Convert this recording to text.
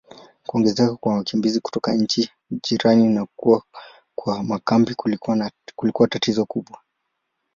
Kuongezeka kwa wakimbizi kutoka nchi jirani na kukua kwa makambi kulikuwa tatizo kubwa.